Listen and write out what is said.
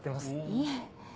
いえ。